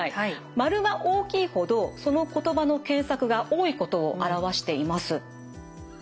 円が大きいほどその言葉の検索が多いことを表しています。